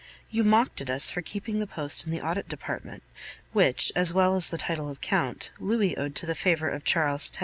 You mocked at us for keeping the post in the Audit Department, which, as well as the title of Count, Louis owed to the favor of Charles X.